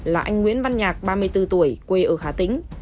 là anh nguyễn văn nhạc ba mươi bốn tuổi quê ở hà tĩnh